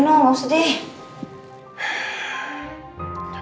enggak usah deh